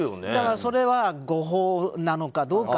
それは誤報なのかどうなのか。